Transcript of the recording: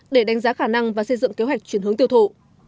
để đánh giá khả năng và xây dựng kế hoạch chuyển hướng tiêu thụ